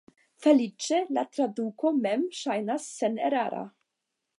Feliĉe, la traduko mem ŝajnas senerara.